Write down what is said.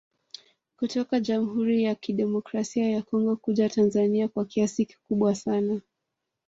Kutoka jamhuri ya kidemokrasi ya Congo kuja Tanzania kwa kiasi kikubwa sana